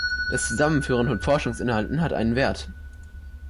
Das Zusammenführen von Forschungsinhalten hat einen Wert.